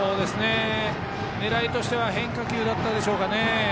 狙いとしては変化球だったでしょうか。